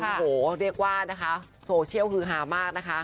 โหเรียกว่าโซเชียลคือหามากนะคะ